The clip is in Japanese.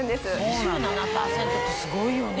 ２７％ってすごいよね。